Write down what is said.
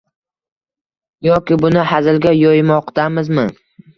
Yoki buni hazilga yo‘ymoqdamizmi?